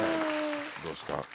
どうですか？